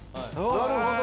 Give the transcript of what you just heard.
なるほど。